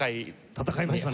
闘いましたね。